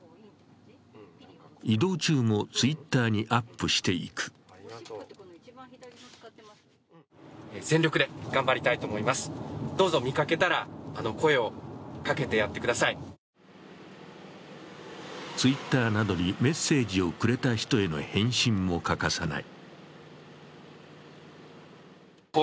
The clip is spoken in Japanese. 移動中もＴｗｉｔｔｅｒにアップしていくＴｗｉｔｔｅｒなどにメッセージをくれた人への返信も欠かさない。